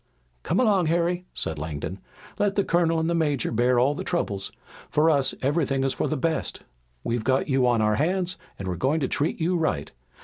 "Come along, Harry," said Langdon. "Let the colonel and the major bear all the troubles. For us everything is for the best. We've got you on our hands and we're going to treat you right.